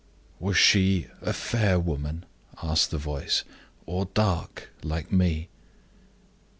"Was she a fair woman," asked the voice, "or dark, like me?"